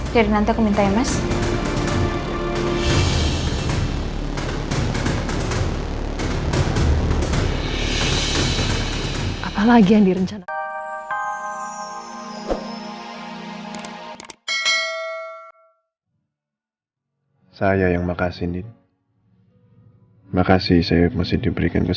jadi nanti aku minta ya mas